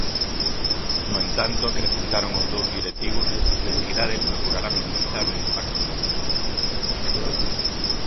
No entanto, acrecentaron os dous directivos, a entidade procurará "minimizar o impacto" no equipo.